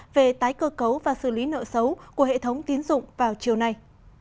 về tái cơ cấu và xử lý nợ xấu của hệ thống tiến dụng vào chiều nay